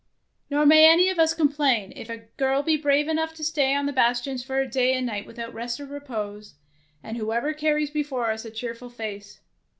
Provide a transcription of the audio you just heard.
Nor may any of us complain, if a girl be brave enough to stay on the bastions for a day and a night without rest or repose, and who ever carries before us a cheer ful face.